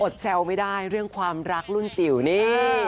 แซวไม่ได้เรื่องความรักรุ่นจิ๋วนี่